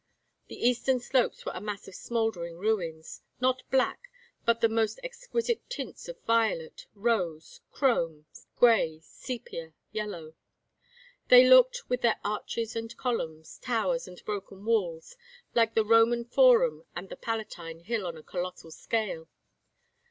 The eastern slopes were a mass of smouldering ruins, not black, but the most exquisite tints of violet, rose, chrome, gray, sepia, yellow. They looked, with their arches and columns, towers and broken walls, like the Roman Forum and the Palatine Hill on a colossal scale.